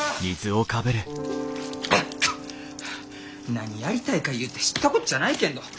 何やりたいかゆうて知ったこっちゃないけんど！